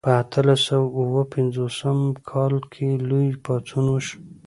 په اتلس سوه او اووه پنځوسم کال کې لوی پاڅون وشو.